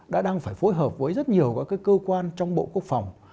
đã đang phải phối hợp với rất nhiều các cơ quan trong bộ quốc phòng